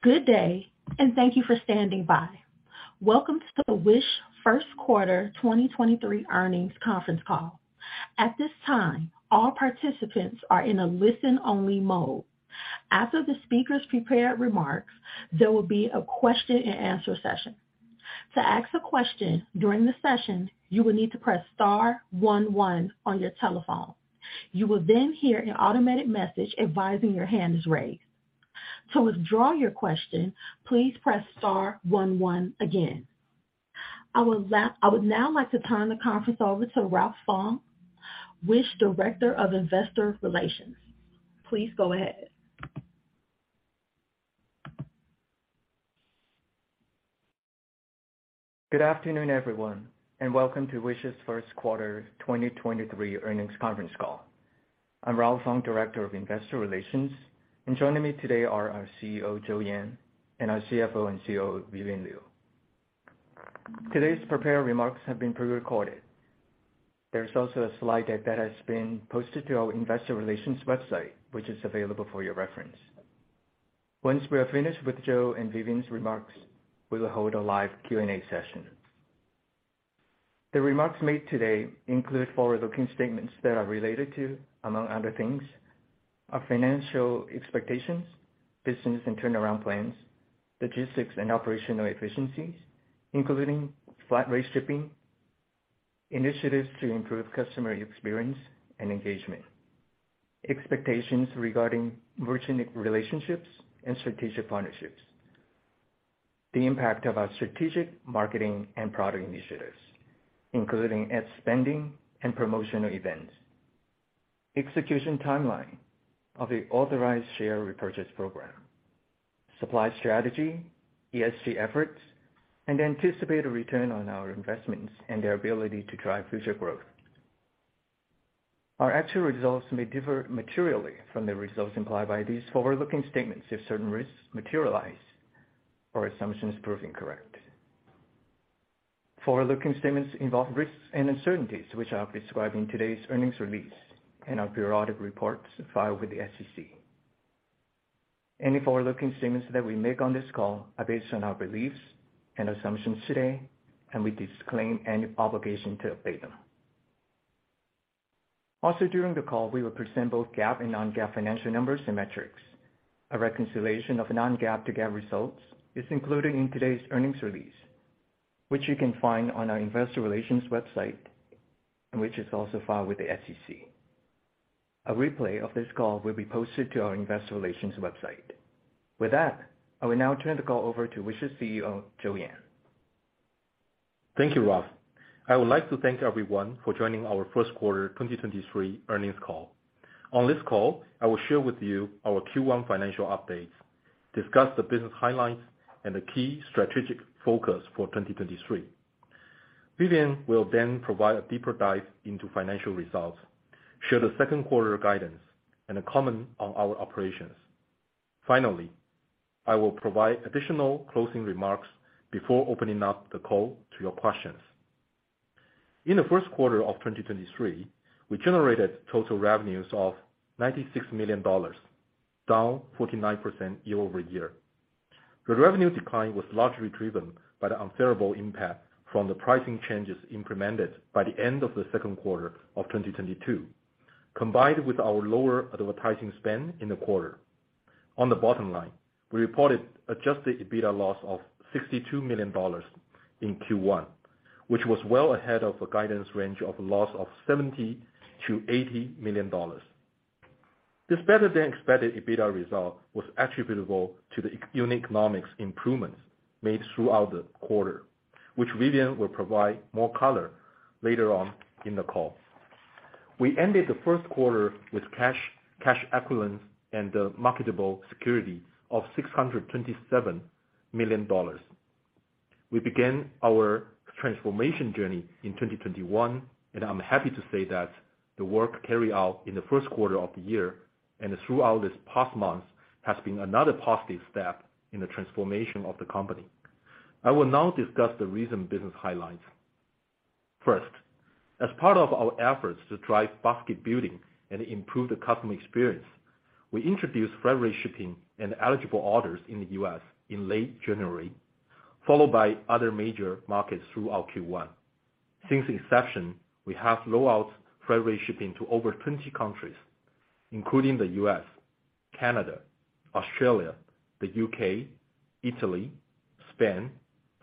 Good day, and thank you for standing by. Welcome to the Wish first quarter 2023 earnings conference call. At this time, all participants are in a listen-only mode. After the speakers' prepared remarks, there will be a question and answer session. To ask a question during the session, you will need to press star one one on your telephone. You will then hear an automated message advising your hand is raised. To withdraw your question, please press star one one again. I would now like to turn the conference over to Ralph Fong, Wish Director of Investor Relations. Please go ahead. Good afternoon, everyone, and welcome to Wish's first quarter 2023 earnings conference call. I'm Ralph Fong, Director of Investor Relations, and joining me today are our CEO, Joe Yan, and our CFO and COO, Vivian Liu. Today's prepared remarks have been pre-recorded. There's also a slide deck that has been posted to our investor relations website, which is available for your reference. Once we are finished with Joe and Vivian's remarks, we will hold a live Q&A session. The remarks made today include forward-looking statements that are related to, among other things, our financial expectations, business and turnaround plans, logistics and operational efficiencies, including flat-rate shipping, initiatives to improve customer experience and engagement, expectations regarding merchant relationships and strategic partnerships, the impact of our strategic marketing and product initiatives, including ad spending and promotional events, execution timeline of the authorized share repurchase program, supply strategy, ESG efforts, and anticipated return on our investments and their ability to drive future growth. Our actual results may differ materially from the results implied by these forward-looking statements if certain risks materialize or assumptions prove incorrect. Forward-looking statements involve risks and uncertainties, which are described in today's earnings release and our periodic reports filed with the SEC. Any forward-looking statements that we make on this call are based on our beliefs and assumptions today, and we disclaim any obligation to update them. During the call, we will present both GAAP and non-GAAP financial numbers and metrics. A reconciliation of non-GAAP to GAAP results is included in today's earnings release, which you can find on our investor relations website, and which is also filed with the SEC. A replay of this call will be posted to our investor relations website. With that, I will now turn the call over to Wish's CEO, Joe Yan. Thank you, Ralph. I would like to thank everyone for joining our first quarter 2023 earnings call. On this call, I will share with you our Q1 financial updates, discuss the business highlights, and the key strategic focus for 2023. Vivian will then provide a deeper dive into financial results, share the second quarter guidance, and then comment on our operations. Finally, I will provide additional closing remarks before opening up the call to your questions. In the first quarter of 2023, we generated total revenues of $96 million, down 49% year-over-year. The revenue decline was largely driven by the unfavorable impact from the pricing changes implemented by the end of the second quarter of 2022, combined with our lower advertising spend in the quarter. On the bottom line, we reported adjusted EBITDA loss of $62 million in Q1, which was well ahead of a guidance range of loss of $70 million-$80 million. This better than expected EBITDA result was attributable to the unit economics improvements made throughout the quarter, which Vivian will provide more color later on in the call. We ended the first quarter with cash equivalents, and the marketable security of $627 million. We began our transformation journey in 2021, I'm happy to say that the work carried out in the first quarter of the year and throughout these past months has been another positive step in the transformation of the company. I will now discuss the recent business highlights. First, as part of our efforts to drive basket building and improve the customer experience, we introduced free shipping and eligible orders in the U.S. in late January, followed by other major markets throughout Q1. Since inception, we have rolled out free shipping to over 20 countries, including the U.S., Canada, Australia, the U.K., Italy, Spain,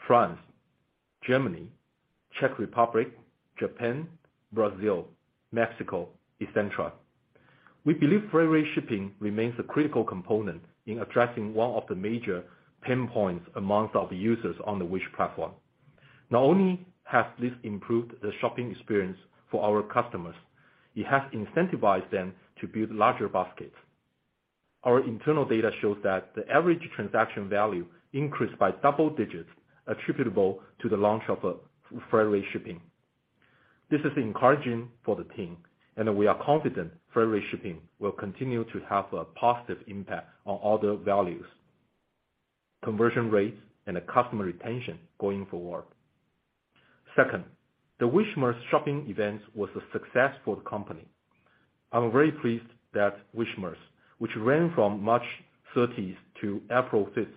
France, Germany, Czech Republic, Japan, Brazil, Mexico, et cetera. We believe free shipping remains a critical component in addressing one of the major pain points amongst our users on the Wish platform. Not only has this improved the shopping experience for our customers, it has incentivized them to build larger baskets. Our internal data shows that the average transaction value increased by double digits attributable to the launch of free shipping. This is encouraging for the team. We are confident free shipping will continue to have a positive impact on order values, conversion rates, and customer retention going forward. Second, the Wishmas shopping event was a success for the company. I'm very pleased that Wishmas, which ran from March 30th to April 5th,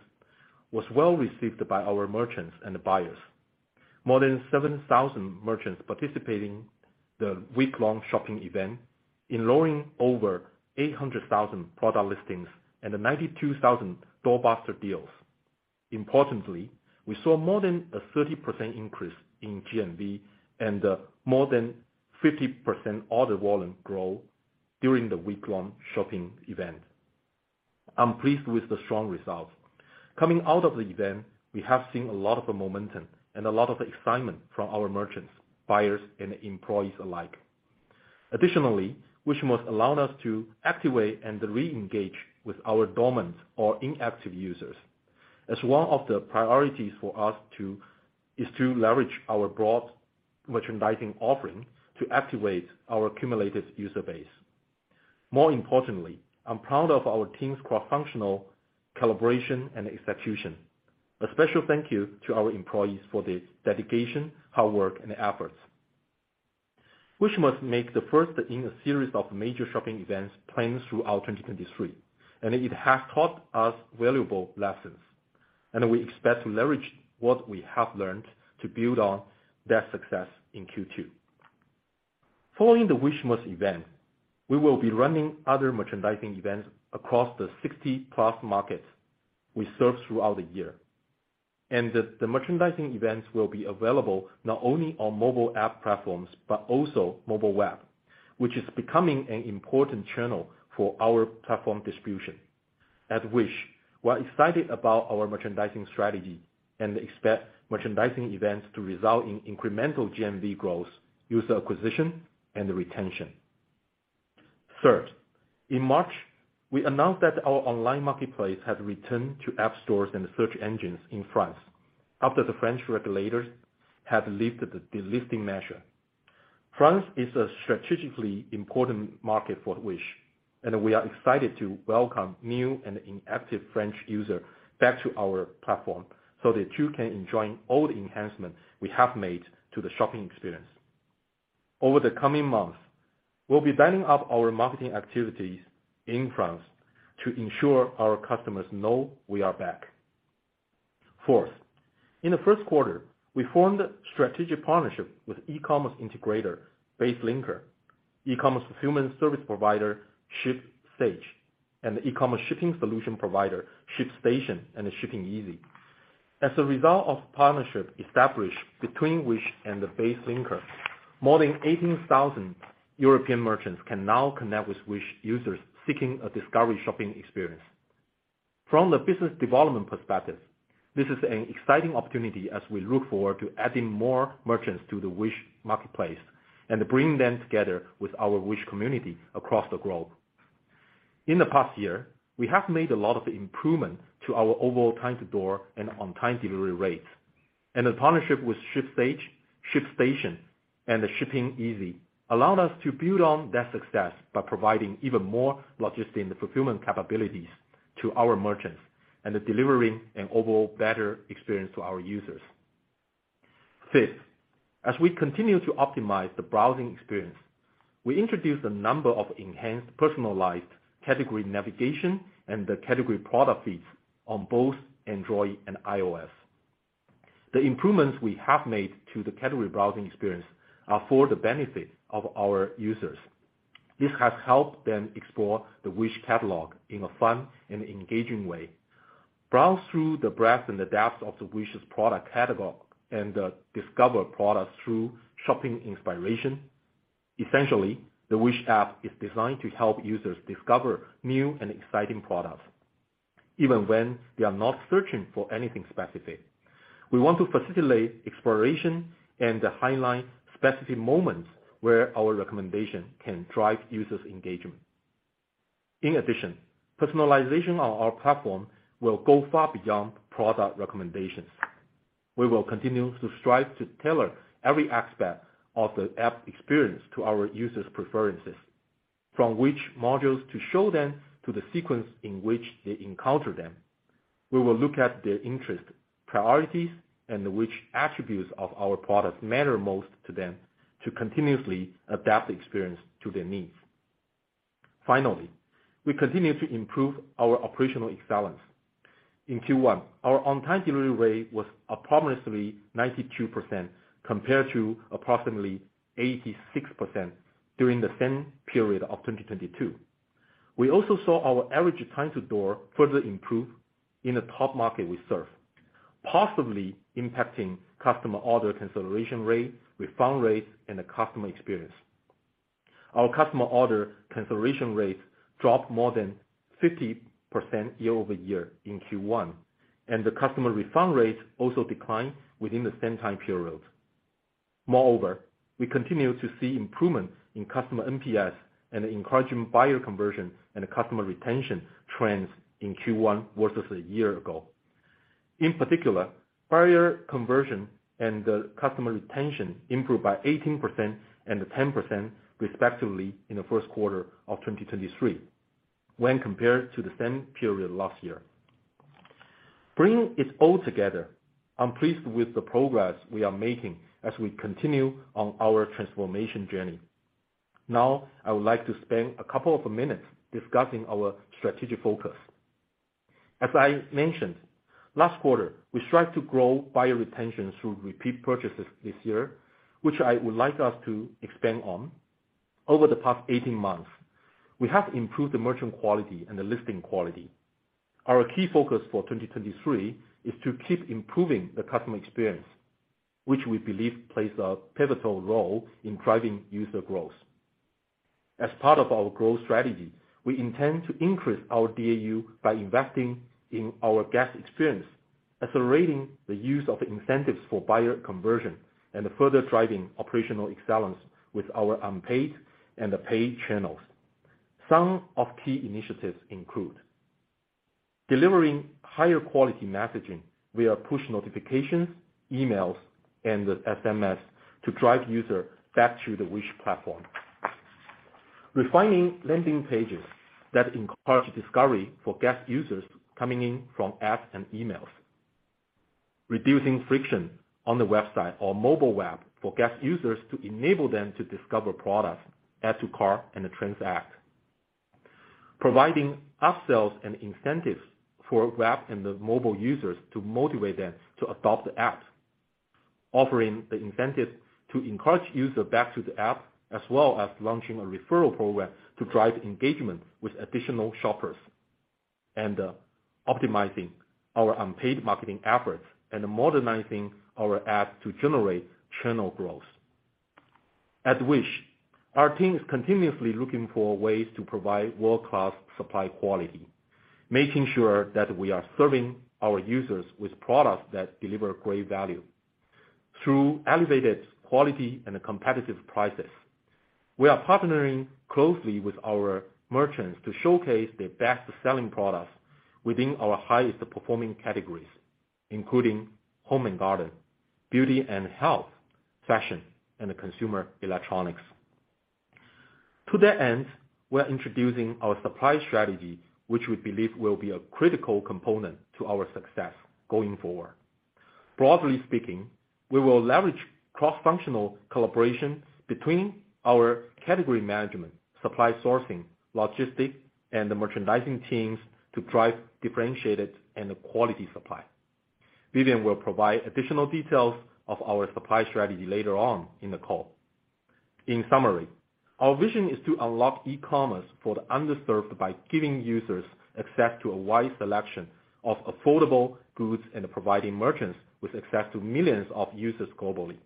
was well received by our merchants and buyers. More than 7,000 merchants participating the week-long shopping event, enrolling over 800,000 product listings and 92,000 doorbuster deals. Importantly, we saw more than a 30% increase in GMV and more than 50% order volume growth during the week-long shopping event. I'm pleased with the strong results. Coming out of the event, we have seen a lot of momentum and a lot of excitement from our merchants, buyers, and employees alike. Additionally, Wishmas allowed us to activate and re-engage with our dormant or inactive users. As one of the priorities for us is to leverage our broad merchandising offering to activate our accumulated user base. More importantly, I'm proud of our team's cross-functional collaboration and execution. A special thank you to our employees for their dedication, hard work, and efforts. Wishmas makes the first in a series of major shopping events planned throughout 2023, and it has taught us valuable lessons, and we expect to leverage what we have learned to build on that success in Q2. Following the Wishmas event, we will be running other merchandising events across the 60-plus markets we serve throughout the year. The merchandising events will be available not only on mobile app platforms, but also mobile web, which is becoming an important channel for our platform distribution. At Wish, we're excited about our merchandising strategy and expect merchandising events to result in incremental GMV growth, user acquisition, and retention. In March, we announced that our online marketplace had returned to app stores and search engines in France after the French regulators had lifted the delisting measure. France is a strategically important market for Wish. We are excited to welcome new and inactive French users back to our platform so that you can enjoy all the enhancements we have made to the shopping experience. Over the coming months, we'll be winding up our marketing activities in France to ensure our customers know we are back. In the first quarter, we formed a strategic partnership with e-commerce integrator BaseLinker, e-commerce fulfillment service provider Shipstage, and the e-commerce shipping solution provider ShipStation and ShippingEasy. As a result of partnership established between Wish and the BaseLinker, more than 18,000 European merchants can now connect with Wish users seeking a discovery shopping experience. From the business development perspective, this is an exciting opportunity as we look forward to adding more merchants to the Wish marketplace and bringing them together with our Wish community across the globe. In the past year, we have made a lot of improvements to our overall time-to-door and on-time delivery rates, and the partnership with Shipstage, ShipStation, and ShippingEasy allowed us to build on that success by providing even more logistics and fulfillment capabilities to our merchants and delivering an overall better experience to our users. Fifth, as we continue to optimize the browsing experience, we introduced a number of enhanced personalized category navigation and the category product feeds on both Android and iOS. The improvements we have made to the category browsing experience are for the benefit of our users. This has helped them explore the Wish catalog in a fun and engaging way. Browse through the breadth and the depth of the Wish's product catalog and discover products through shopping inspiration. Essentially, the Wish app is designed to help users discover new and exciting products, even when they are not searching for anything specific. We want to facilitate exploration and highlight specific moments where our recommendation can drive users' engagement. In addition, personalization on our platform will go far beyond product recommendations. We will continue to strive to tailor every aspect of the app experience to our users' preferences, from which modules to show them to the sequence in which they encounter them. We will look at their interest, priorities, and which attributes of our products matter most to them to continuously adapt the experience to their needs. Finally, we continue to improve our operational excellence. In Q1, our on-time delivery rate was approximately 92% compared to approximately 86% during the same period of 2022. We also saw our average time-to-door further improve in the top market we serve, positively impacting customer order cancellation rate, refund rates, and the customer experience. Our customer order cancellation rates dropped more than 50% year-over-year in Q1, and the customer refund rates also declined within the same time period. Moreover, we continue to see improvements in customer NPS and encouraging buyer conversion and customer retention trends in Q1 versus a year ago. In particular, buyer conversion and customer retention improved by 18% and 10% respectively in the first quarter of 2023 when compared to the same period last year. Bringing it all together, I'm pleased with the progress we are making as we continue on our transformation journey. Now, I would like to spend a couple of minutes discussing our strategic focus. As I mentioned, last quarter, we strive to grow buyer retention through repeat purchases this year, which I would like us to expand on. Over the past 18 months, we have improved the merchant quality and the listing quality. Our key focus for 2023 is to keep improving the customer experience, which we believe plays a pivotal role in driving user growth. As part of our growth strategy, we intend to increase our DAU by investing in our guest experience, accelerating the use of incentives for buyer conversion and further driving operational excellence with our unpaid and the paid channels. Some of key initiatives include delivering higher quality messaging via push notifications, emails, and SMS to drive user back to the Wish platform. Refining landing pages that encourage discovery for guest users coming in from ads and emails. Reducing friction on the website or mobile web for guest users to enable them to discover products, add to cart, and transact. Providing upsells and incentives for web and the mobile users to motivate them to adopt the app. Offering the incentive to encourage user back to the app, as well as launching a referral program to drive engagement with additional shoppers. optimizing our unpaid marketing efforts and modernizing our ads to generate channel growth. At Wish, our team is continuously looking for ways to provide world-class supply quality, making sure that we are serving our users with products that deliver great value through elevated quality and competitive prices. We are partnering closely with our merchants to showcase their best-selling products within our highest performing categories, including home and garden, beauty and health, fashion, and consumer electronics. To that end, we're introducing our supply strategy, which we believe will be a critical component to our success going forward. Broadly speaking, we will leverage cross-functional collaboration between our category management, supply sourcing, logistics, and the merchandising teams to drive differentiated and quality supply. Vivian will provide additional details of our supply strategy later on in the call. In summary, our vision is to unlock e-commerce for the underserved by giving users access to a wide selection of affordable goods and providing merchants with access to millions of users globally.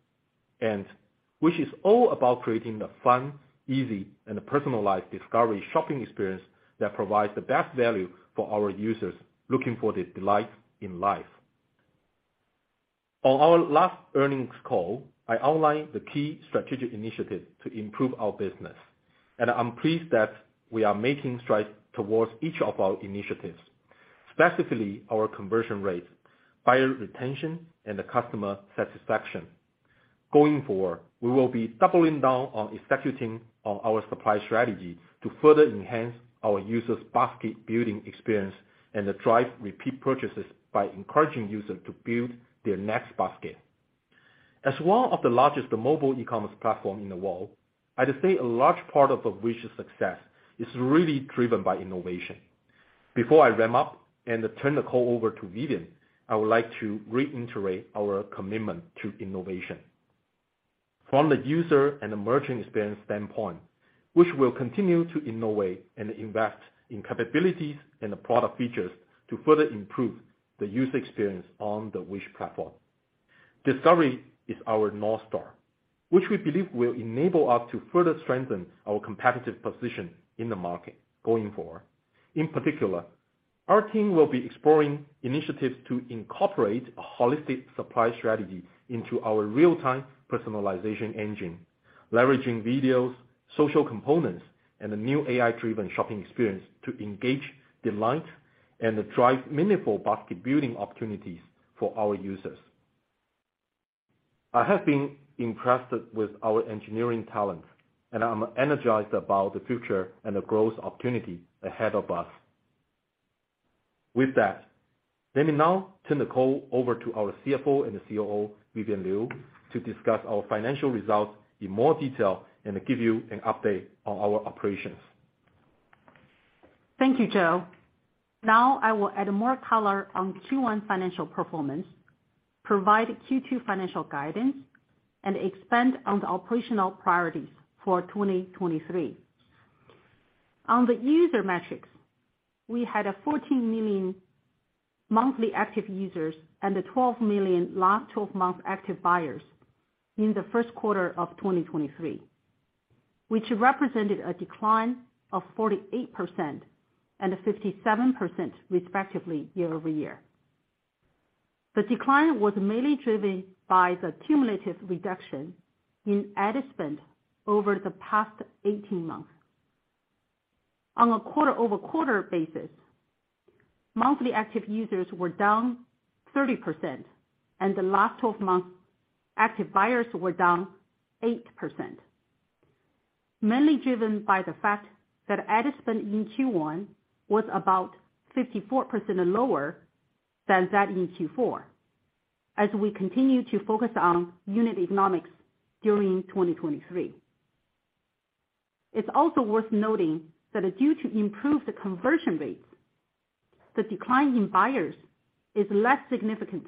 Wish is all about creating a fun, easy, and a personalized discovery shopping experience that provides the best value for our users looking for the delights in life. On our last earnings call, I outlined the key strategic initiatives to improve our business, and I'm pleased that we are making strides towards each of our initiatives, specifically our conversion rate, buyer retention, and the customer satisfaction. Going forward, we will be doubling down on executing on our supply strategy to further enhance our users' basket-building experience and to drive repeat purchases by encouraging users to build their next basket. As one of the largest mobile e-commerce platform in the world, I'd say a large part of Wish's success is really driven by innovation. Before I wrap up and turn the call over to Vivian, I would like to reiterate our commitment to innovation. From the user and the merchant experience standpoint, Wish will continue to innovate and invest in capabilities and the product features to further improve the user experience on the Wish platform. Discovery is our North Star, which we believe will enable us to further strengthen our competitive position in the market going forward. In particular, our team will be exploring initiatives to incorporate a holistic supply strategy into our real-time personalization engine, leveraging videos, social components, and a new AI-driven shopping experience to engage delight and drive meaningful basket-building opportunities for our users. I have been impressed with our engineering talent. I'm energized about the future and the growth opportunity ahead of us. With that, let me now turn the call over to our CFO and the COO, Vivian Liu, to discuss our financial results in more detail and give you an update on our operations. I will add more color on Q1 financial performance, provide Q2 financial guidance, and expand on the operational priorities for 2023. On the user metrics, we had 14 million monthly active users and 12 million last twelve-month active buyers in the first quarter of 2023, which represented a decline of 48% and 57% respectively year-over-year. The decline was mainly driven by the cumulative reduction in ad spend over the past 18 months. On a quarter-over-quarter basis, monthly active users were down 30%, and the last twelve-month active buyers were down 8%. Mainly driven by the fact that ad spend in Q1 was about 54% lower than that in Q4, as we continue to focus on unit economics during 2023. It's also worth noting that due to improved conversion rates, the decline in buyers is less significant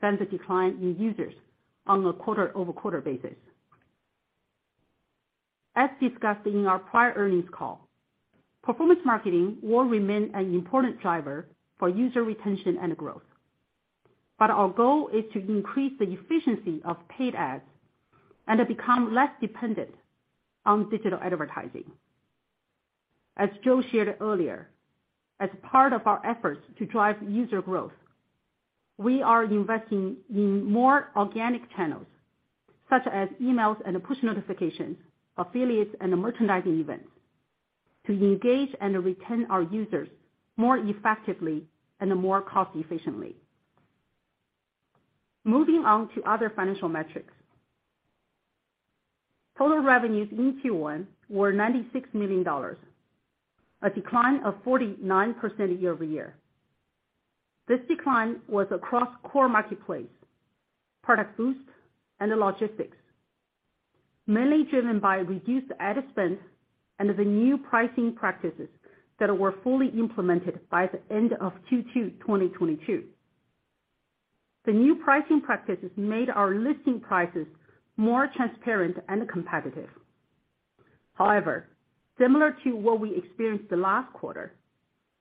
than the decline in users on a quarter-over-quarter basis. Our goal is to increase the efficiency of paid ads and become less dependent on digital advertising. As Joe shared earlier, as part of our efforts to drive user growth, we are investing in more organic channels such as emails and push notifications, affiliates, and merchandising events to engage and retain our users more effectively and more cost efficiently. Moving on to other financial metrics. Total revenues in Q1 were $96 million, a decline of 49% year-over-year. This decline was across core marketplace, ProductBoost, and the logistics, mainly driven by reduced ad spend and the new pricing practices that were fully implemented by the end of Q2 2022. The new pricing practices made our listing prices more transparent and competitive. However, similar to what we experienced the last quarter,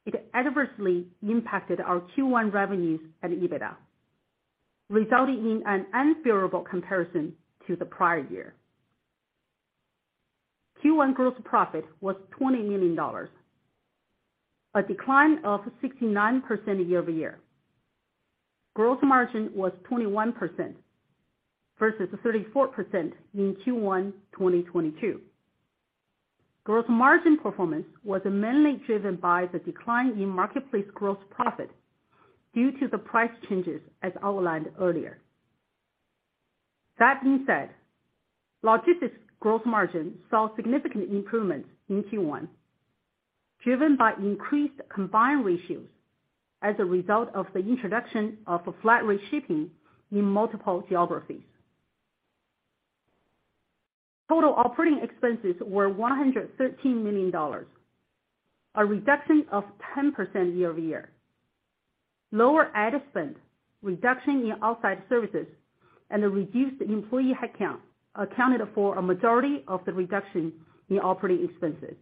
it adversely impacted our Q1 revenues and EBITDA, resulting in an unfavorable comparison to the prior year. Q1 gross profit was $20 million, a decline of 69% year-over-year. Gross margin was 21% versus 34% in Q1 2022. Gross margin performance was mainly driven by the decline in marketplace gross profit due to the price changes, as outlined earlier. That being said, logistics growth margin saw significant improvements in Q1, driven by increased combined ratios as a result of the introduction of flat rate shipping in multiple geographies. Total operating expenses were $113 million, a reduction of 10% year-over-year. Lower ad spend, reduction in outside services, and a reduced employee headcount accounted for a majority of the reduction in operating expenses.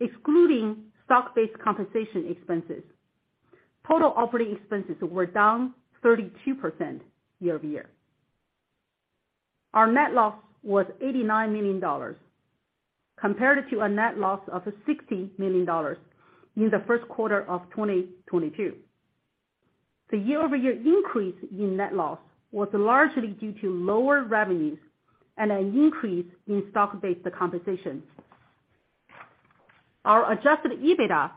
Excluding stock-based compensation expenses, total operating expenses were down 32% year-over-year. Our net loss was $89 million, compared to a net loss of $60 million in the first quarter of 2022. The year-over-year increase in net loss was largely due to lower revenues and an increase in stock-based compensation. Our Adjusted EBITDA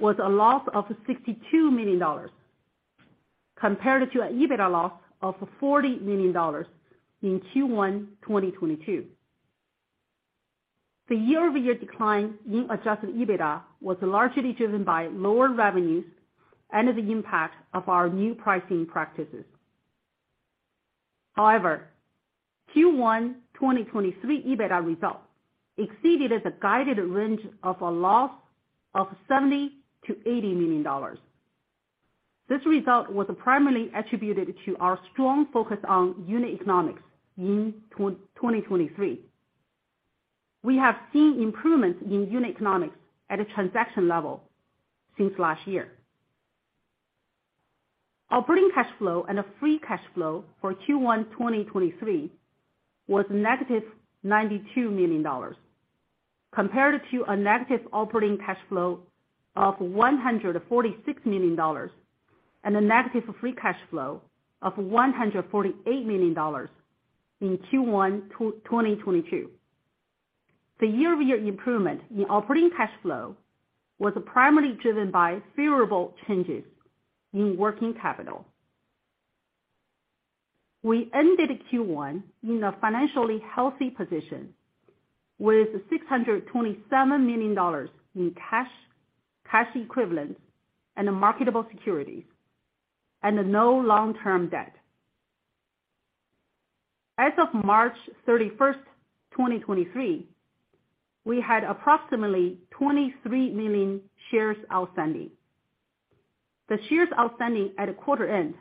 was a loss of $62 million compared to an EBITDA loss of $40 million in Q1 2022. The year-over-year decline in Adjusted EBITDA was largely driven by lower revenues and the impact of our new pricing practices. However, Q1 2023 EBITDA results exceeded the guided range of a loss of $70 million-$80 million. This result was primarily attributed to our strong focus on unit economics in 2023. We have seen improvements in unit economics at a transaction level since last year. Operating cash flow and free cash flow for Q1 2023 was negative $92 million compared to a negative operating cash flow of $146 million and a negative free cash flow of $148 million in Q1 2022. The year-over-year improvement in operating cash flow was primarily driven by favorable changes in working capital. We ended Q1 in a financially healthy position with $627 million in cash equivalents, and marketable securities, and no long-term debt. As of March 31st, 2023, we had approximately 23 million shares outstanding. The shares outstanding at quarter end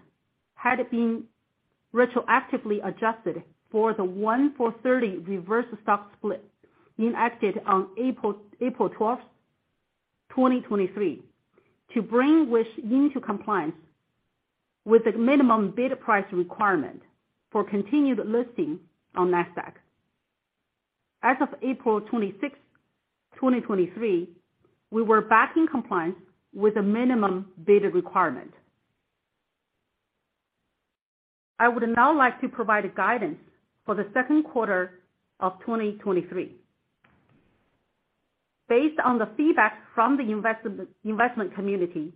had been retroactively adjusted for the 1 for 30 reverse stock split enacted on April 12th, 2023, to bring Wish into compliance with the minimum bid price requirement for continued listing on Nasdaq. As of April 26th, 2023, we were back in compliance with the minimum bid requirement. I would now like to provide guidance for the second quarter of 2023. Based on the feedback from the investment community,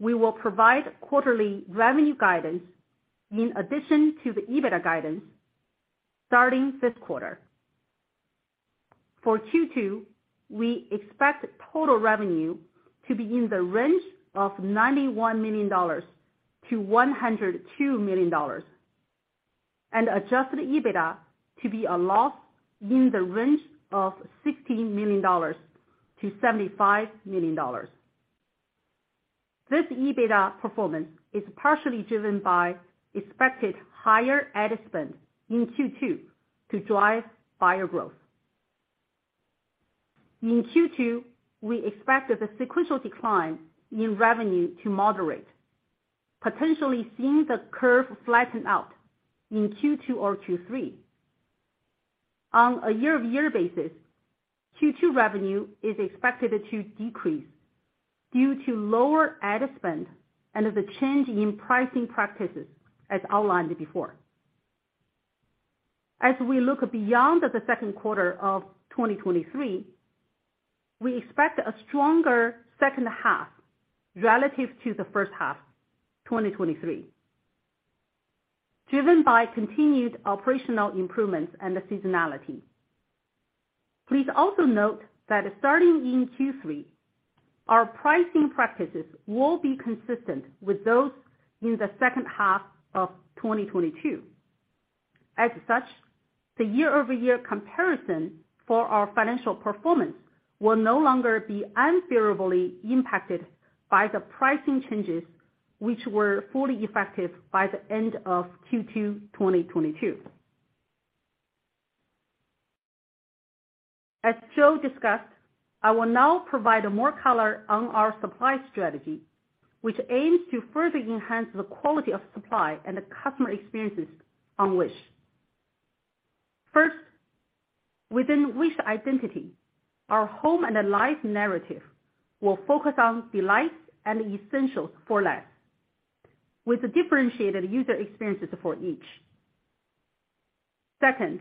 we will provide quarterly revenue guidance in addition to the Adjusted EBITDA guidance starting this quarter. For Q2, we expect total revenue to be in the range of $91 million-$102 million, and Adjusted EBITDA to be a loss in the range of $60 million-$75 million. This Adjusted EBITDA performance is partially driven by expected higher ad spend in Q2 to drive buyer growth. In Q2, we expect the sequential decline in revenue to moderate, potentially seeing the curve flatten out in Q2 or Q3. On a year-over-year basis, Q2 revenue is expected to decrease due to lower ad spend and the change in pricing practices as outlined before. We look beyond the second quarter of 2023, we expect a stronger second half relative to the first half 2023, driven by continued operational improvements and the seasonality. Please also note that starting in Q3, our pricing practices will be consistent with those in the second half of 2022. The year-over-year comparison for our financial performance will no longer be unfavorably impacted by the pricing changes, which were fully effective by the end of Q2 2022. As Joe discussed, I will now provide more color on our supply strategy, which aims to further enhance the quality of supply and the customer experiences on Wish. First, within Wish Identity, our home and life narrative will focus on delights and essentials for less, with differentiated user experiences for each. Second,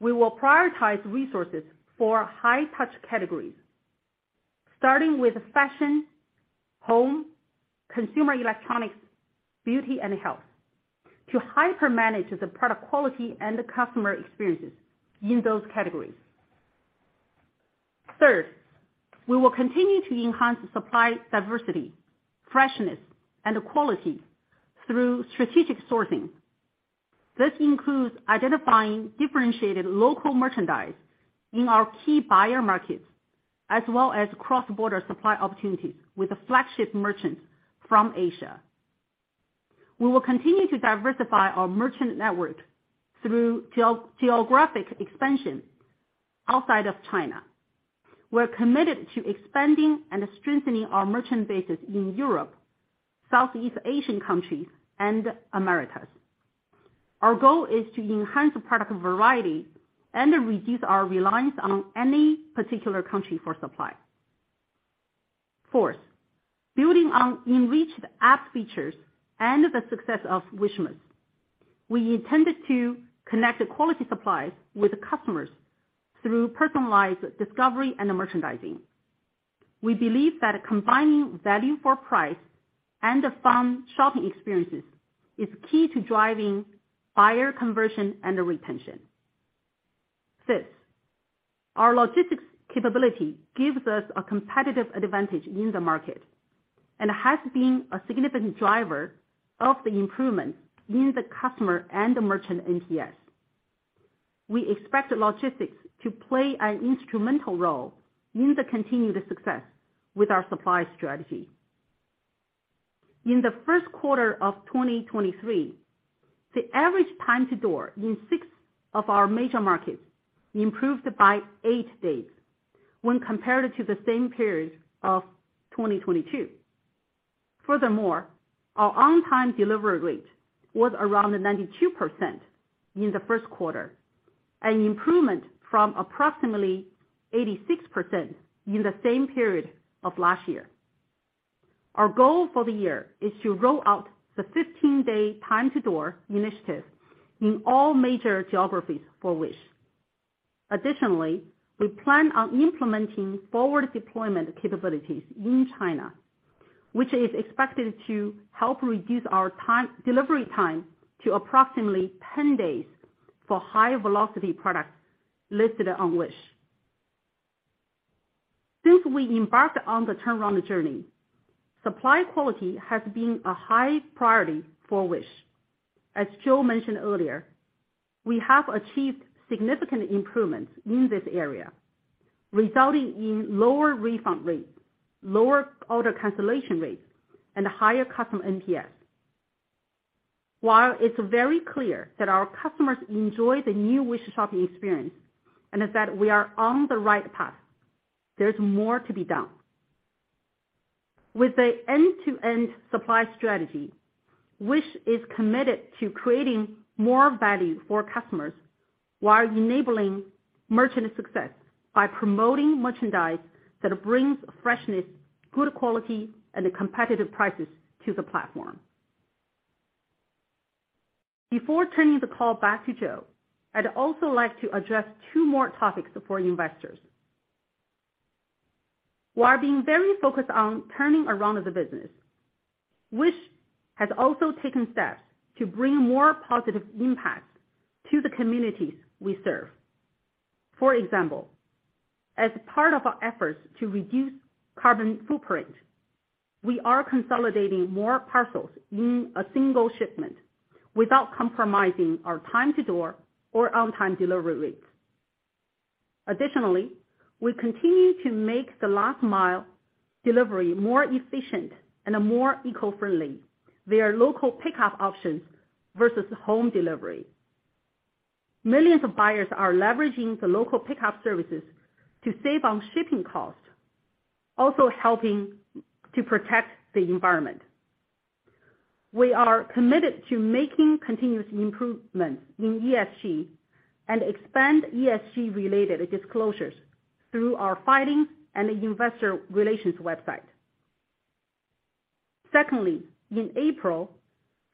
we will prioritize resources for high-touch categories, starting with fashion, home, consumer electronics, beauty and health, to hyper-manage the product quality and the customer experiences in those categories. Third, we will continue to enhance supply diversity, freshness, and quality through strategic sourcing. This includes identifying differentiated local merchandise in our key buyer markets, as well as cross-border supply opportunities with the flagship merchants from Asia. We will continue to diversify our merchant network through geographic expansion outside of China. We're committed to expanding and strengthening our merchant bases in Europe, Southeast Asian countries, and Americas. Our goal is to enhance the product variety and reduce our reliance on any particular country for supply. Building on enriched app features and the success of Wishmas, we intended to connect the quality supplies with the customers through personalized discovery and merchandising. We believe that combining value for price and fun shopping experiences is key to driving buyer conversion and retention. Our logistics capability gives us a competitive advantage in the market and has been a significant driver of the improvement in the customer and the merchant NPS. We expect logistics to play an instrumental role in the continued success with our supply strategy. In the first quarter of 2023, the average time to door in six of our major markets improved by eight days when compared to the same period of 2022. Our on-time delivery rate was around 92% in the first quarter, an improvement from approximately 86% in the same period of last year. Our goal for the year is to roll out the 15-day time to door initiative in all major geographies for Wish. We plan on implementing forward deployment capabilities in China, which is expected to help reduce our delivery time to approximately 10 days for high-velocity products listed on Wish. Since we embarked on the turnaround journey, supply quality has been a high priority for Wish. As Joe mentioned earlier, we have achieved significant improvements in this area, resulting in lower refund rates, lower order cancellation rates, and higher customer NPS. It's very clear that our customers enjoy the new Wish shopping experience and that we are on the right path, there's more to be done. With the end-to-end supply strategy, Wish is committed to creating more value for customers while enabling merchant success by promoting merchandise that brings freshness, good quality, and competitive prices to the platform. Before turning the call back to Joe, I'd also like to address two more topics for you investors. While being very focused on turning around the business, Wish has also taken steps to bring more positive impact to the communities we serve. For example, as part of our efforts to reduce carbon footprint, we are consolidating more parcels in a single shipment without compromising our time to door or on-time delivery rates. Additionally, we continue to make the last mile delivery more efficient and a more eco-friendly. There are local pickup options versus home delivery. Millions of buyers are leveraging the local pickup services to save on shipping costs, also helping to protect the environment. We are committed to making continuous improvements in ESG and expand ESG related disclosures through our filings and the investor relations website. In April,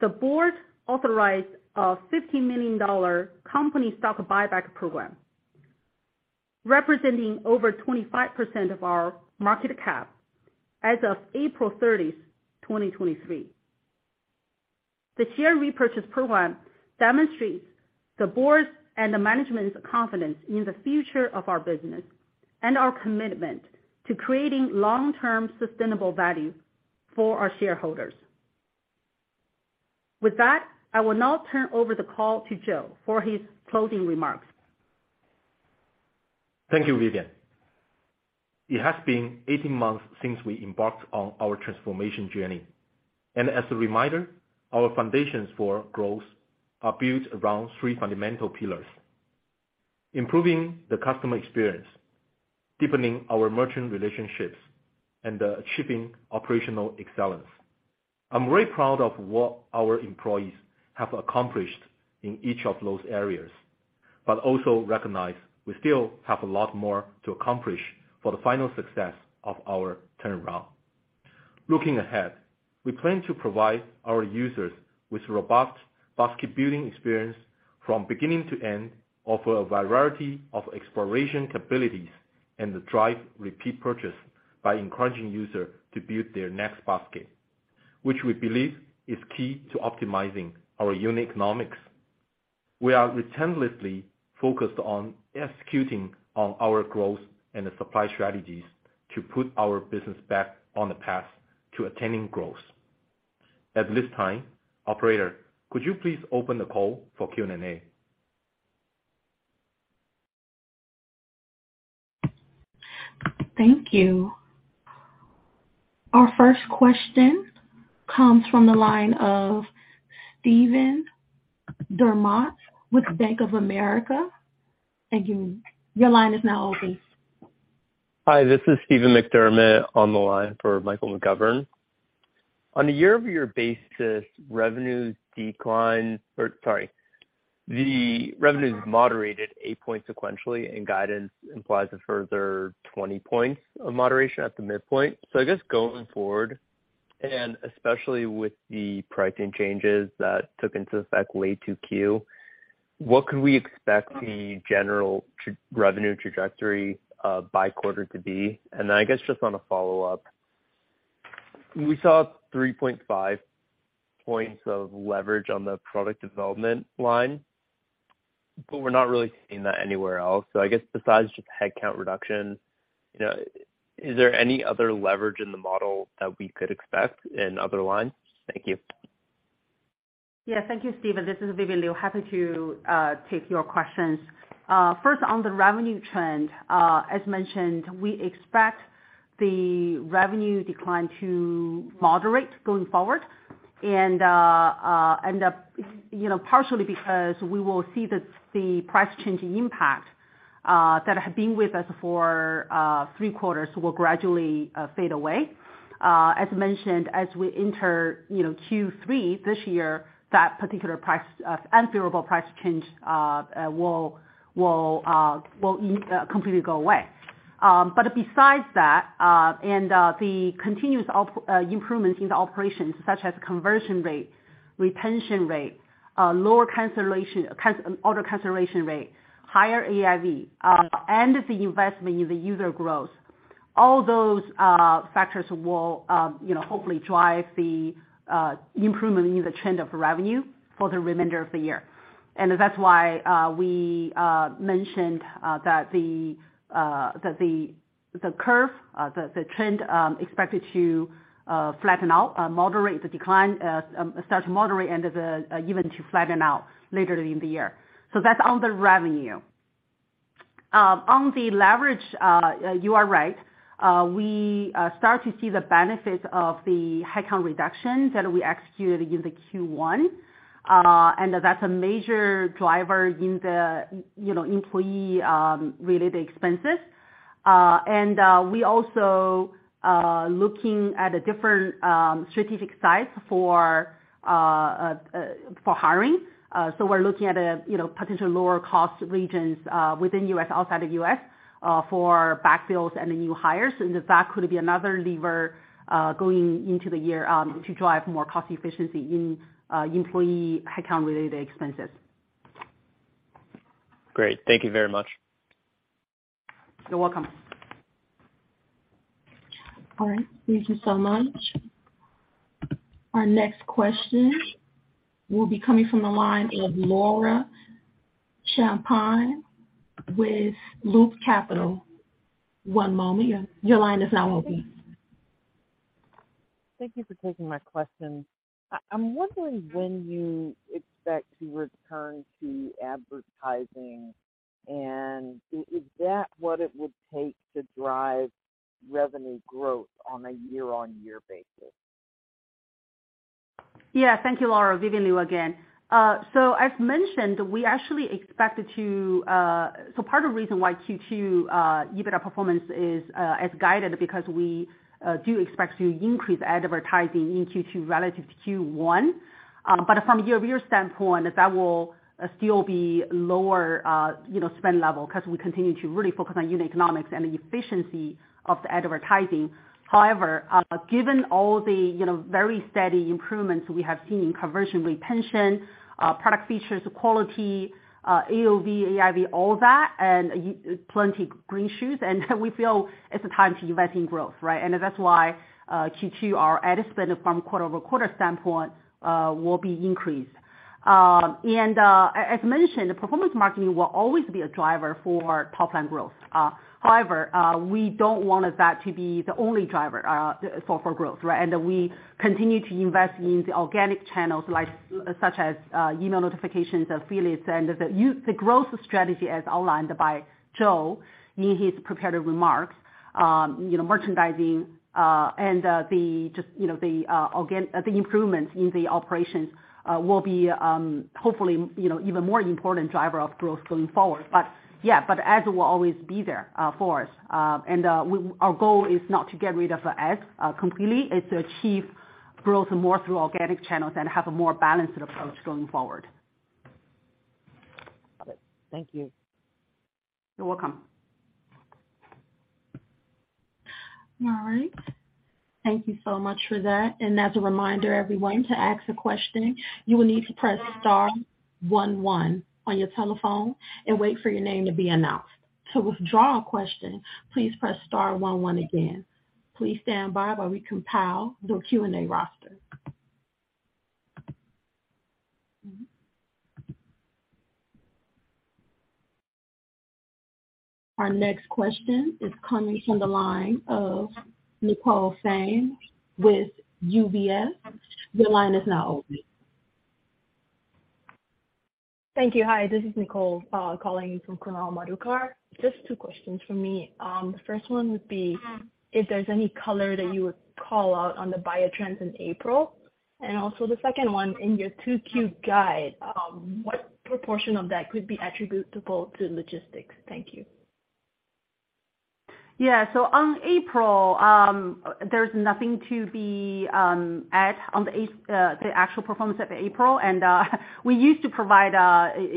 the board authorized a $50 million company stock buyback program, representing over 25% of our market cap as of April 30th, 2023. The share repurchase program demonstrates the board's and the management's confidence in the future of our business and our commitment to creating long-term sustainable value for our shareholders. With that, I will now turn over the call to Joe for his closing remarks. Thank you, Vivian. It has been 18 months since we embarked on our transformation journey. As a reminder, our foundations for growth are built around three fundamental pillars: improving the customer experience, deepening our merchant relationships, and achieving operational excellence. I'm very proud of what our employees have accomplished in each of those areas. Also recognize we still have a lot more to accomplish for the final success of our turnaround. Looking ahead, we plan to provide our users with robust basket building experience from beginning to end, offer a variety of exploration capabilities, and to drive repeat purchase by encouraging user to build their next basket, which we believe is key to optimizing our unit economics. We are relentlessly focused on executing on our growth and the supply strategies to put our business back on the path to attaining growth. At this time, operator, could you please open the call for Q&A? Thank you. Our first question comes from the line of Stephen McDermott with Bank of America. Thank you. Your line is now open. Hi, this is Stephen McDermott on the line for Michael McGovern. On a year-over-year basis, the revenue's moderated eight-point sequentially and guidance implies a further 20 points of moderation at the midpoint. I guess going forward, and especially with the pricing changes that took into effect late 2Q, what could we expect the general revenue trajectory by quarter to be? I guess just on a follow-up, we saw 3.5 points of leverage on the product development line, but we're not really seeing that anywhere else. I guess besides just headcount reduction, you know, is there any other leverage in the model that we could expect in other lines? Thank you. Yeah. Thank you, Stephen. This is Vivian Liu. Happy to take your questions. First on the revenue trend. As mentioned, we expect the revenue decline to moderate going forward and, you know, partially because we will see that the price change impact that had been with us for three quarters will gradually fade away. As mentioned, as we enter, you know, Q3 this year, that particular price, unfavorable price change will completely go away. Besides that, and the continuous improvements in the operations such as conversion rate, retention rate, lower cancellation, order cancellation rate, higher AIV, and the investment in the user growth, all those factors will, you know, hopefully drive the improvement in the trend of revenue for the remainder of the year. That's why we mentioned that the curve, the trend, expected to flatten out, moderate the decline, start to moderate and even to flatten out later in the year. That's on the revenue. On the leverage, you are right. We start to see the benefits of the headcount reductions that we executed in the Q1. That's a major driver in the, you know, employee related expenses. We also looking at a different strategic sites for hiring. We're looking at a, you know, potential lower cost regions within U.S., outside of U.S., for backfills and the new hires. That could be another lever going into the year to drive more cost efficiency in employee headcount related expenses. Great. Thank you very much. You're welcome. All right. Thank you so much. Our next question will be coming from the line of Laura Champine with Loop Capital. One moment. Your line is now open. Thank you for taking my question. I'm wondering when you expect to return to advertising. Is that what it would take to drive revenue growth on a year-on-year basis? Yeah. Thank you, Laura. Vivian Liu again. As mentioned, we actually expect to. Part of the reason why Q2 EBITDA performance is as guided because we do expect to increase advertising in Q2 relative to Q1. From a year-over-year standpoint, that will still be lower, you know, spend level 'cause we continue to really focus on unit economics and the efficiency of the advertising. However, given all the, you know, very steady improvements we have seen in conversion retention, product features quality, AOV, AIV, all that, and plenty green shoots, and we feel it's time to invest in growth, right? That's why Q2, our ad spend from quarter-over-quarter standpoint, will be increased. As mentioned, performance marketing will always be a driver for top line growth. However, we don't want that to be the only driver for growth, right? We continue to invest in the organic channels such as email notifications, affiliates, and the growth strategy as outlined by Joe in his prepared remarks. You know, merchandising, and the just, you know, the improvements in the operations, will be, hopefully, you know, even more important driver of growth going forward. Yeah, but ads will always be there for us. Our goal is not to get rid of ads completely. It's to achieve growth more through organic channels and have a more balanced approach going forward. Got it. Thank you. You're welcome. All right. Thank you so much for that. As a reminder, everyone, to ask a question, you will need to press star one one on your telephone and wait for your name to be announced. To withdraw a question, please press star one one again. Please stand by while we compile the Q&A roster. Our next question is coming from the line of Nicole Fang with UBS. Your line is now open. Thank you. Hi, this is Nicole, calling in from. Just two questions from me. The first one would be if there's any color that you would call out on the buyer trends in April. Also the second one, in your 2Q guide, what proportion of that could be attributable to logistics? Thank you. Yeah. On April, there's nothing to be add on the actual performance of April. We used to provide,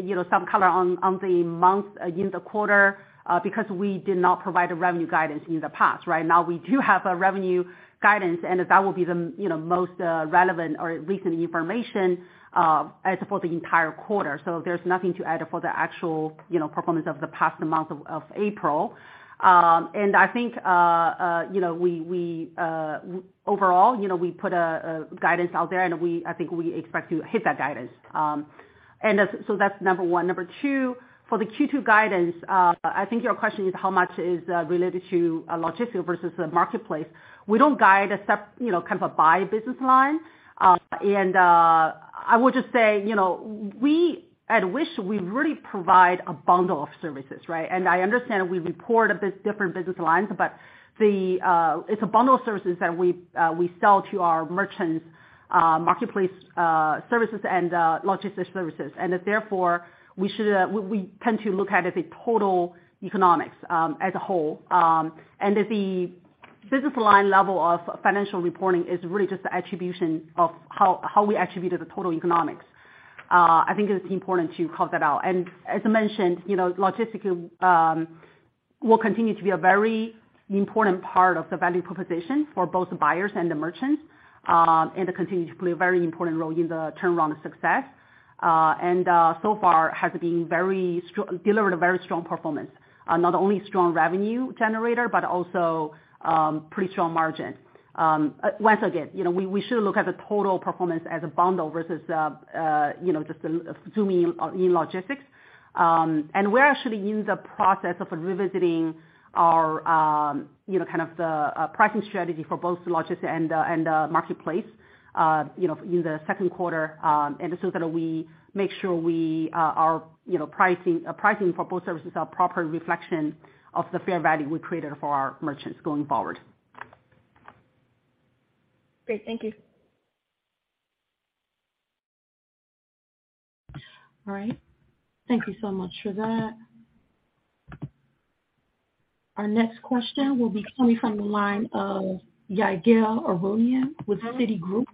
you know, some color on the month in the quarter, because we did not provide a revenue guidance in the past. Right now, we do have a revenue guidance, and that will be the, you know, most relevant or recent information as for the entire quarter. There's nothing to add for the actual, you know, performance of the past month of April. I think, you know, we overall, you know, we put a guidance out there, I think we expect to hit that guidance. That's number one. Number two, for the Q2 guidance, I think your question is how much is related to logistics versus the marketplace. We don't guide, you know, kind of a by business line. I would just say, you know, at Wish, we really provide a bundle of services, right? I understand we report different business lines, but it's a bundle of services that we sell to our merchants, marketplace services and logistics services. Therefore, we should, we tend to look at the total economics as a whole. The business line level of financial reporting is really just the attribution of how we attribute the total economics. I think it's important to call that out. As mentioned, you know, logistics will continue to be a very important part of the value proposition for both buyers and the merchants and continue to play a very important role in the turnaround success. So far has been delivered a very strong performance. Not only strong revenue generator, but also pretty strong margin. Once again, you know, we should look at the total performance as a bundle versus, you know, just zooming in logistics. We're actually in the process of revisiting our, you know, kind of the pricing strategy for both logistics and the marketplace, you know, in the second quarter. So that we make sure we are pricing for both services are proper reflection of the fair value we created for our merchants going forward. Great. Thank you. All right. Thank you so much for that. Our next question will be coming from the line of Ygal Arounian with Citigroup.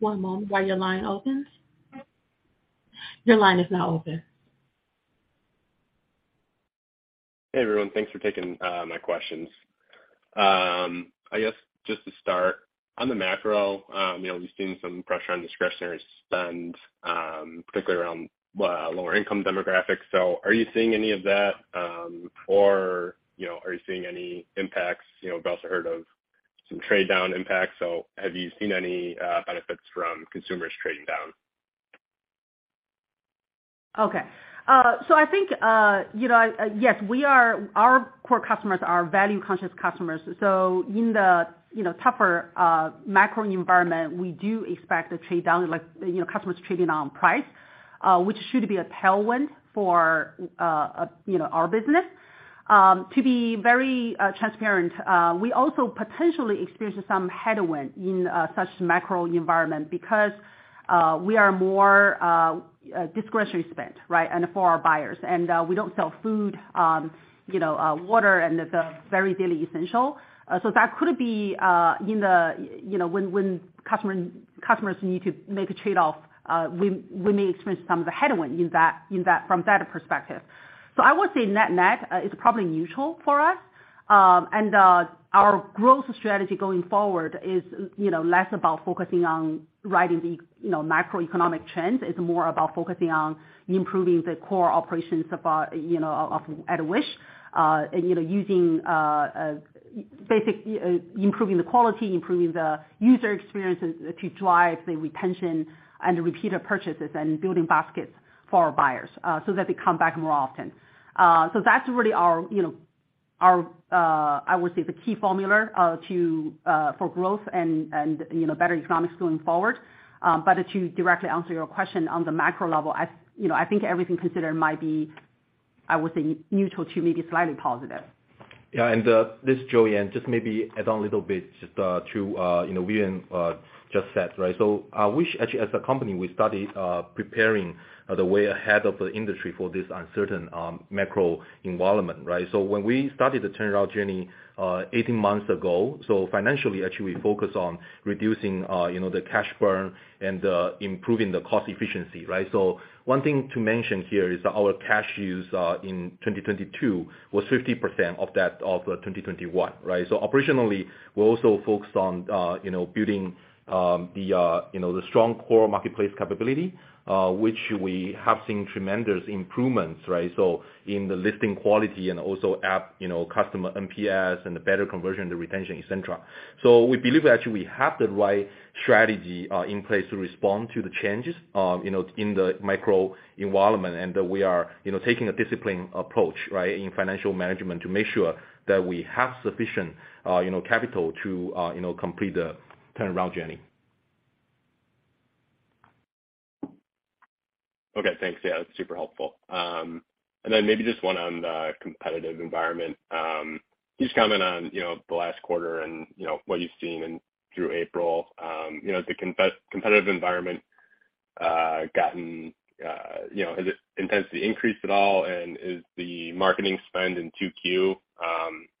One moment while your line opens. Your line is now open. Hey everyone, thanks for taking my questions. I guess just to start on the macro, you know, we've seen some pressure on discretionary spend, particularly around, well, lower income demographics. Are you seeing any of that, or, you know, are you seeing any impacts? You know, we've also heard of some trade-down impacts. Have you seen any benefits from consumers trading down? Okay. I think, you know, yes, our core customers are value conscious customers. In the, you know, tougher macro environment, we do expect a trade down, like, you know, customers trading on price, which should be a tailwind for, you know, our business. To be very transparent, we also potentially experience some headwind in such macro environment because we are more discretionary spend, right? For our buyers. We don't sell food, you know, water and the very daily essential. That could be, in the, you know, when customers need to make a trade-off, we may experience some of the headwind in that, in that from that perspective. I would say net-net, is probably neutral for us. Our growth strategy going forward is, you know, less about focusing on riding the, you know, macroeconomic trends. It's more about focusing on improving the core operations of, you know, of at Wish. Using, basic, improving the quality, improving the user experiences to drive the retention and the repeat of purchases and building baskets for our buyers, so that they come back more often. That's really our, you know, our, I would say the key formula, to, for growth and, you know, better economics going forward. To directly answer your question on the macro level, I, you know, I think everything considered might be, I would say neutral to maybe slightly positive. Yeah. This is Joe Yan, and just maybe add on a little bit to, you know, Vivian, just said, right? Wish actually as a company, we started preparing the way ahead of the industry for this uncertain macro environment, right? When we started the turnaround journey, 18 months ago, financially actually we focus on reducing, you know, the cash burn and improving the cost efficiency, right? One thing to mention here is that our cash use in 2022 was 50% of that of 2021, right? Operationally, we're also focused on, you know, building the, you know, the strong core marketplace capability, which we have seen tremendous improvements, right? In the listing quality and also app, you know, customer NPS and the better conversion, the retention, et cetera. We believe actually we have the right strategy, in place to respond to the changes, you know, in the micro environment. We are, you know, taking a disciplined approach, right? In financial management to make sure that we have sufficient, you know, capital to, you know, complete the turnaround journey. Okay, thanks. Yeah, that's super helpful. Then maybe just one on the competitive environment. Can you just comment on, you know, the last quarter and, you know, what you've seen in through April. You know, the competitive environment gotten, you know, has its intensity increased at all? Is the marketing spend in 2Q,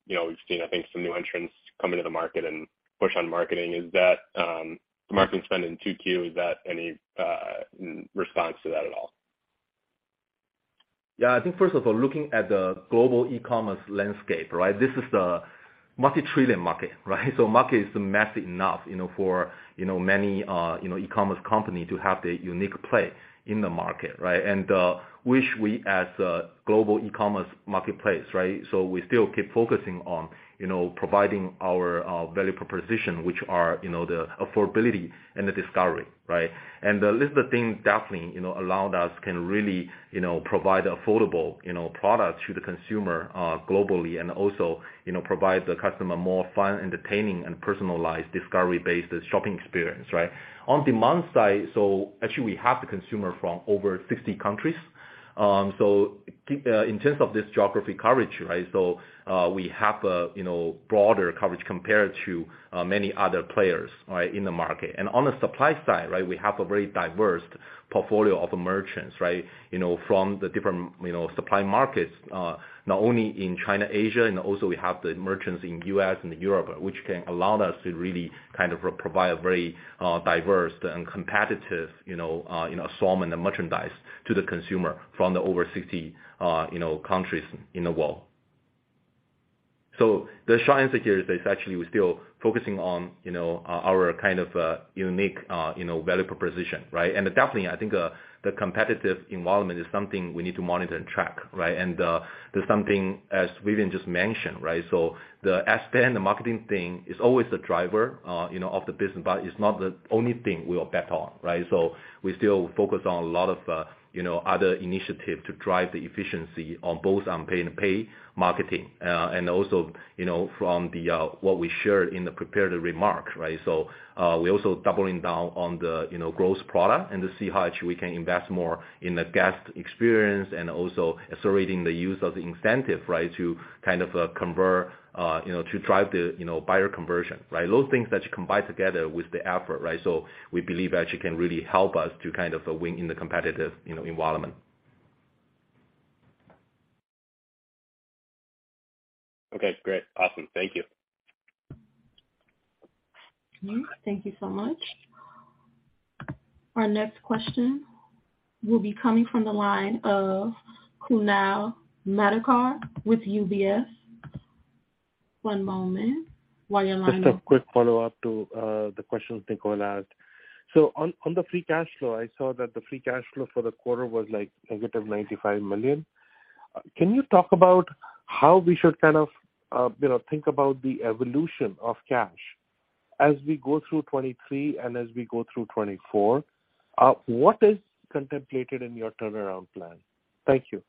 you know, we've seen I think some new entrants come into the market and push on marketing. Is that the marketing spend in 2Q, is that any response to that at all? Yeah, I think first of all, looking at the global e-commerce landscape, right? This is the multi-trillion market, right? Market is massive enough, you know, for, you know, many, you know, e-commerce company to have their unique place in the market, right? Wish we as a global e-commerce marketplace, right? We still keep focusing on, you know, providing our value proposition, which are, you know, the affordability and the discovery, right? The list of things definitely, you know, allowed us can really, you know, provide affordable, you know, products to the consumer globally and also, you know, provide the customer more fun, entertaining and personalized discovery-based shopping experience, right? On demand side, actually we have the consumer from over 60 countries. Keep in terms of this geography coverage, right? We have a, you know, broader coverage compared to many other players, right? In the market. On the supply side, right? We have a very diverse portfolio of merchants, right? You know, from the different, you know, supply markets, not only in China, Asia, and also we have the merchants in U.S. and Europe, which can allow us to really kind of provide a very diverse and competitive, you know, assortment and merchandise to the consumer from the over 60, you know, countries in the world. The science here is actually we're still focusing on, you know, our kind of unique, you know, value proposition, right? Definitely, I think, the competitive environment is something we need to monitor and track, right? There's something as Vivian just mentioned, right? The ad spend, the marketing thing is always the driver, you know, of the business, but it's not the only thing we'll bet on, right? We still focus on a lot of, you know, other initiatives to drive the efficiency on both on pay and pay marketing. And also, you know, from the, what we shared in the prepared remark, right? We're also doubling down on the, you know, growth product and to see how actually we can invest more in the guest experience and also accelerating the use of the incentive, right? To kind of, convert, you know, to drive the, you know, buyer conversion, right? Those things that you combine together with the effort, right? We believe that you can really help us to kind of win in the competitive, you know, environment. Okay, great. Awesome. Thank you. Thank you so much. Our next question will be coming from the line of Kunal Madhok with UBS. One moment while your line- Just a quick follow-up to the question Nicole asked. On the free cash flow, I saw that the free cash flow for the quarter was like -$95 million. Can you talk about how we should kind of, you know, think about the evolution of cash as we go through 2023 and as we go through 2024? What is contemplated in your turnaround plan? Thank you.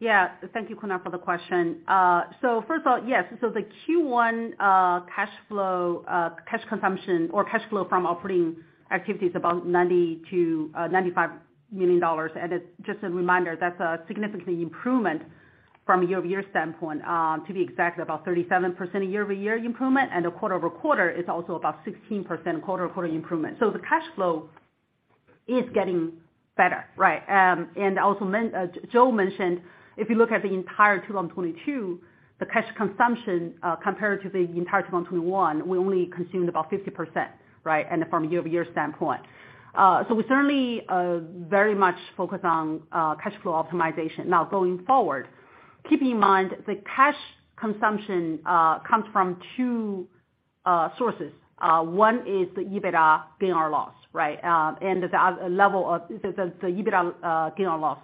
Yeah. Thank you, Kunal, for the question. First of all, yes. The Q1 cash flow cash consumption or cash flow from operating activity is about $90 million-$95 million. It's just a reminder, that's a significantly improvement from a year-over-year standpoint, to be exact, about 37% year-over-year improvement and a 16% quarter-over-quarter improvement. The cash flow is getting better, right? Also Joe mentioned, if you look at the entire 2022, the cash consumption, compared to the entire 2021, we only consumed about 50%, right? From a year-over-year standpoint. We certainly very much focus on cash flow optimization. Now going forward, keep in mind the cash consumption comes from 2 sources. One is the EBITDA gain or loss, right? The level of the EBITDA gain or loss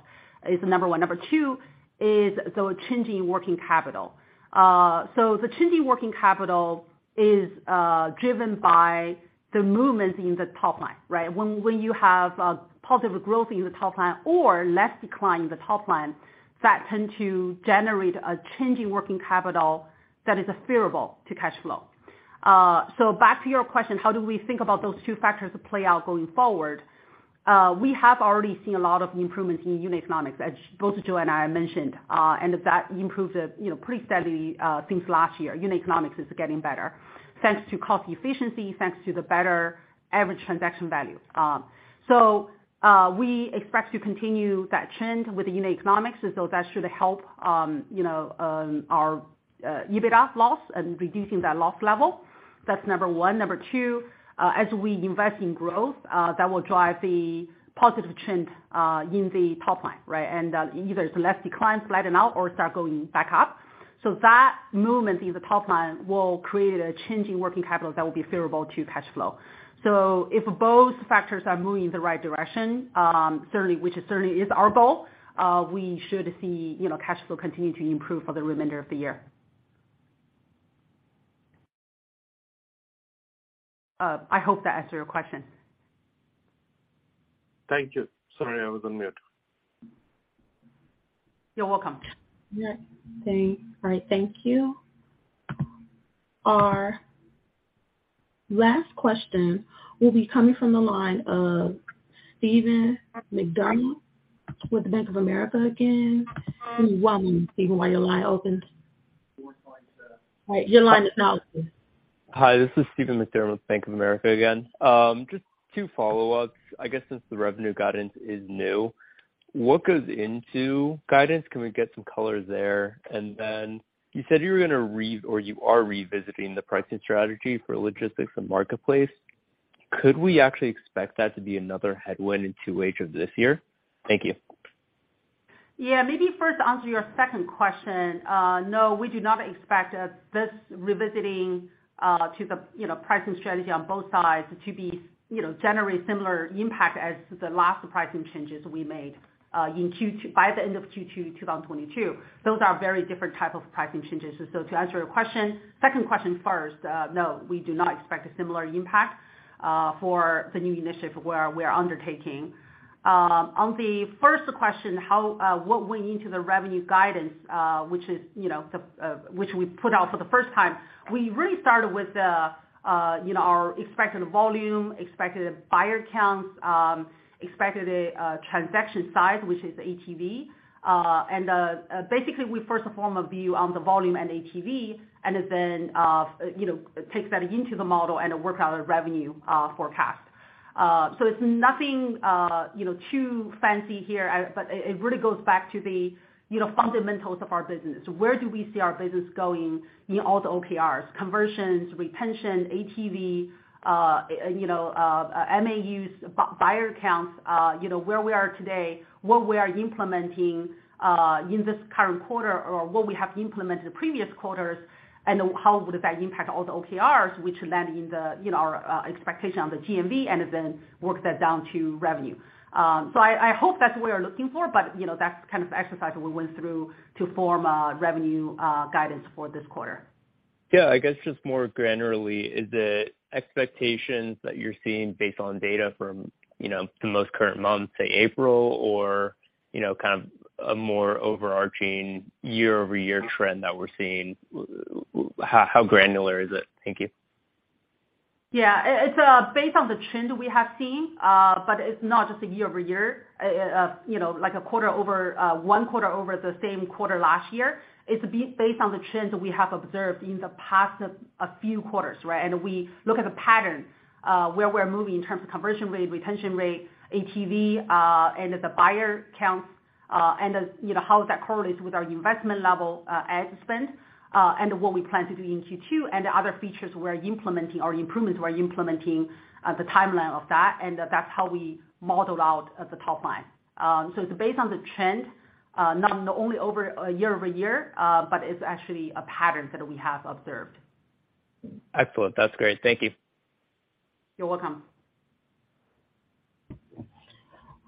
is number one. Number two is the changing working capital. The changing working capital is driven by the movements in the top line, right? When you have positive growth in the top line or less decline in the top line, that tend to generate a changing working capital that is favorable to cash flow. Back to your question, how do we think about those two factors play out going forward? We have already seen a lot of improvements in unit economics, as both Joe and I mentioned, and that improves it, you know, pretty steadily since last year. Unit economics is getting better, thanks to cost efficiency, thanks to the better average transaction value. We expect to continue that trend with the unit economics. That should help, you know, our Adjusted EBITDA loss and reducing that loss level. That's number one. Number two, as we invest in growth, that will drive the positive trend in the top line, right? Either it's less decline, flatten out or start going back up. That movement in the top line will create a changing working capital that will be favorable to cash flow. If both factors are moving in the right direction, certainly, which certainly is our goal, we should see, you know, cash flow continue to improve for the remainder of the year. I hope that answered your question. Thank you. Sorry, I was on mute. You're welcome. Yeah. All right. Thank you. Our last question will be coming from the line of Stephen McDermott with Bank of America again. One moment, Stephen, while your line opens. All right, your line is now open. Hi, this is Stephen McDermott with Bank of America again. Just two follow-ups. I guess since the revenue guidance is new, what goes into guidance? Can we get some color there? Then you said you are revisiting the pricing strategy for logistics and marketplace. Could we actually expect that to be another headwind in 2H of this year? Thank you. Yeah. Maybe first answer your second question. No, we do not expect this revisiting to the, you know, pricing strategy on both sides to be, you know, generate similar impact as the last pricing changes we made in Q2, by the end of Q2, 2022. Those are very different type of pricing changes. To answer your question, second question first, no, we do not expect a similar impact for the new initiative where we are undertaking. On the first question, how, what went into the revenue guidance, which is, you know, the, which we put out for the first time. We really started with the, you know, our expected volume, expected buyer counts, expected transaction size, which is ATV. Basically, we first form a view on the volume and ATV, and then, you know, take that into the model and work out a revenue forecast. It's nothing, you know, too fancy here, but it really goes back to the, you know, fundamentals of our business. Where do we see our business going in all the OKRs, conversions, retention, ATV, you know, MAUs, buyer counts, you know, where we are today, what we are implementing in this current quarter or what we have implemented in previous quarters, and how would that impact all the OKRs which land in our expectation on the GMV and then work that down to revenue. I hope that's what we're looking for, but, you know, that's the kind of exercise we went through to form a revenue, guidance for this quarter. Yeah. I guess just more granularly, is the expectations that you're seeing based on data from, you know, the most current month to April or, you know, kind of a more overarching year-over-year trend that we're seeing? How granular is it? Thank you. Yeah. It, it's based on the trend we have seen, but it's not just a year-over-year, you know, like a quarter over 1 quarter over the same quarter last year. It's based on the trends we have observed in the past few quarters, right? We look at the pattern. Where we're moving in terms of conversion rate, retention rate, ATV, and the buyer counts, and then, you know, how does that correlate with our investment level, ad spend, and what we plan to do in Q2, and the other features we're implementing or improvements we're implementing, the timeline of that, and that's how we model out the top line. It's based on the trend, not only over a year-over-year, but it's actually a pattern that we have observed. Excellent. That's great. Thank you. You're welcome.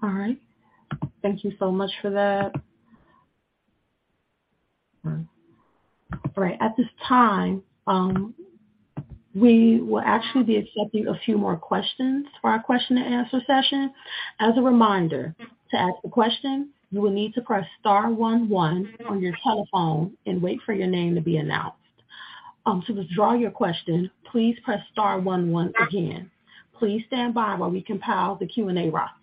All right. Thank you so much for that. All right, at this time, we will actually be accepting a few more questions for our question and answer session. As a reminder, to ask a question, you will need to press star one one on your telephone and wait for your name to be announced. To withdraw your question, please press star one one again. Please stand by while we compile the Q&A roster.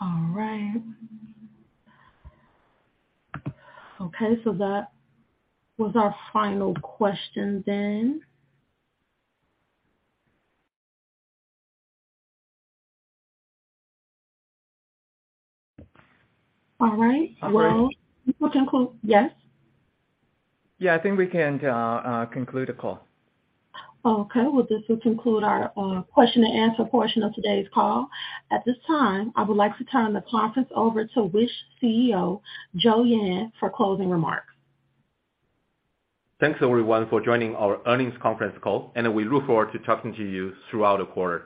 All right. Okay, that was our final question. All right. We can yes? Yeah, I think we can conclude the call. Okay. Well, this will conclude our question and answer portion of today's call. At this time, I would like to turn the conference over to Wish CEO, Joe Yan for closing remarks. Thanks, everyone, for joining our earnings conference call, and we look forward to talking to you throughout the quarter.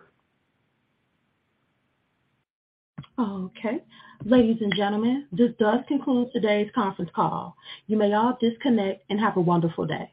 Okay. Ladies and gentlemen, this does conclude today's conference call. You may all disconnect and have a wonderful day.